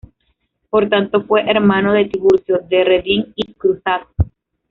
Por tanto fue hermano de Tiburcio de Redín y Cruzat.